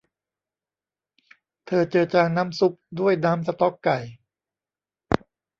เธอเจือจางน้ำซุปด้วยน้ำสต๊อกไก่